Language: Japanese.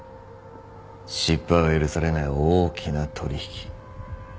失敗は許されない大きな取引。